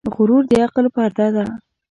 غرور د عقل پرده ده .